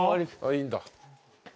いいんだ。